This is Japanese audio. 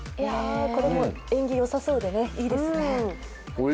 これも縁起よさそうでいいですね。